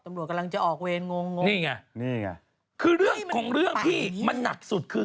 ตำรวจกำลังจะออกเวรงงงนี่ไงนี่ไงคือเรื่องของเรื่องพี่มันหนักสุดคือ